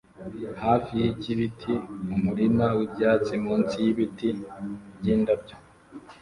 hafi yikibiti mumurima wibyatsi munsi yibiti byindabyo